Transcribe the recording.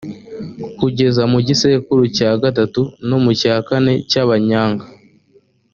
kugeza mu gisekuru cya gatatu no mu cya kane cy’abanyanga.